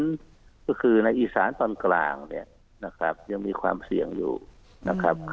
ก็คือในอีสานตอนกลางเนี่ยนะครับยังมีความเสี่ยงอยู่นะครับ